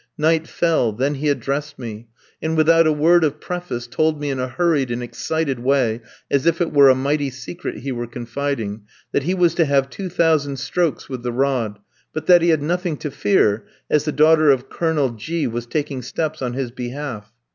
Night fell; then he addressed me, and, without a word of preface, told me in a hurried and excited way as if it were a mighty secret he were confiding that he was to have two thousand strokes with the rod; but that he had nothing to fear, as the daughter of Colonel G was taking steps on his behalf.